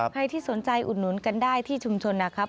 ใครที่สนใจอุดหนุนกันได้ที่ชุมชนนะครับ